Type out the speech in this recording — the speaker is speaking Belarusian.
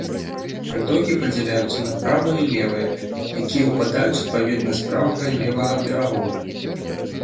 Прытокі падзяляюцца на правыя і левыя, якія ўпадаюць адпаведна з правага і левага берагоў.